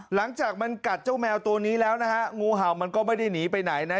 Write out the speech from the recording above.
หลังจากมันกัดเจ้าแมวตัวนี้แล้วนะฮะงูเห่ามันก็ไม่ได้หนีไปไหนนะ